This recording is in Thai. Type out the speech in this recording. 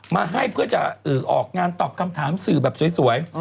มาให้เพื่อจะออกงานตอบคำถามสื่อแบบสวย